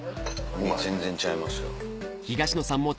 全然ちゃいますよ。